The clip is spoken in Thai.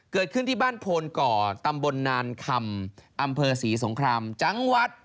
เกิดขึ้นที่บ้านโพนก่อตำบลนานคำอำเภอศรีสงครามจังหวัด